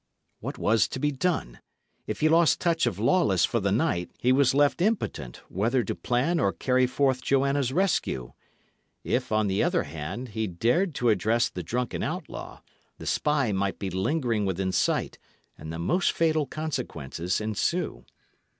What was to be done? If he lost touch of Lawless for the night, he was left impotent, whether to plan or carry forth Joanna's rescue. If, on the other hand, he dared to address the drunken outlaw, the spy might still be lingering within sight, and the most fatal consequences ensue.